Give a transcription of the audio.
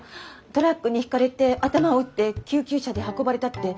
トラックにひかれて頭を打って救急車で運ばれたって。